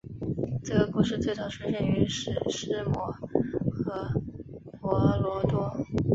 这个故事最早出现于史诗摩诃婆罗多。